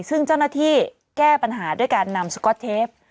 ซึ่งเจ้าหน้าที่แก้ปัญหาด้วยการนำสก๊อตเทป